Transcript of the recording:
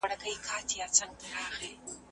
چې امن نه وي هر سړی به يار بايلينه